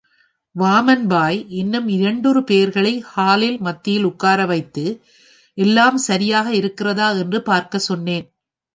வாமன்பாய், இன்னும் இரண்டொரு பெயர்களை ஹாலில் மத்தியில் உட்கார வைத்து, எல்லாம் சரியாக இருக்கிறதா என்று பார்க்கச் சொன்னேன்.